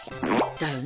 だよね。